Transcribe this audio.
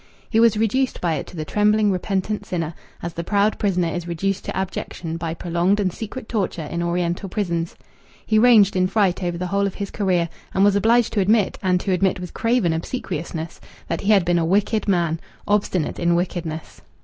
He was reduced by it to the trembling repentant sinner, as the proud prisoner is reduced to abjection by prolonged and secret torture in Oriental prisons. He ranged in fright over the whole of his career, and was obliged to admit, and to admit with craven obsequiousness, that he had been a wicked man, obstinate in wickedness.